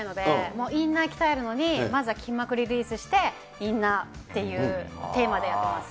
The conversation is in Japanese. もうインナー鍛えるのに、まずは筋膜リリースして、インナーっていうテーマでやってます。